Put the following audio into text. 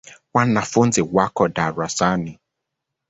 Wanafunzi wako darasani.